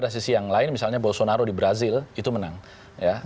dan kedua adalah pemerintah yang menggunakan teknologi yang sangat berpengaruh